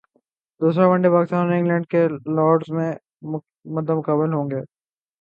دوسرا one day Pakistan اور England کل لارڈز میں مدمقابل ہونگے